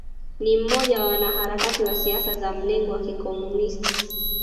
Ni mmoja wa wanaharakati wa siasa za mlengo wa Kikomunisti